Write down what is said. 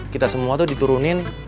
kita semua tuh diturunin